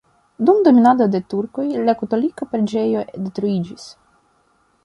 Dum dominado de turkoj la katolika preĝejo detruiĝis.